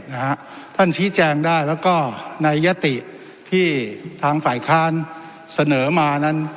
นะฮะท่านชี้แจงได้แล้วก็ในยติที่ทางฝ่ายค้านเสนอมานั้น